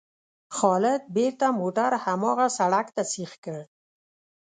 خالد بېرته موټر هماغه سړک ته سیخ کړ.